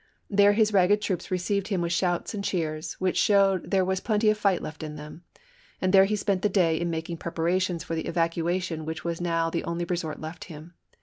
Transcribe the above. There his ragged troops received him with shouts and cheers, which showed there was plenty of fight left in them ; and there he spent the day in making preparations for the evacuation which was now the only resort left him.